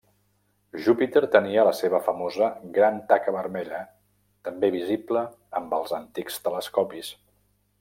Júpiter tenia la seva famosa Gran Taca Vermella, també visible amb els antics telescopis.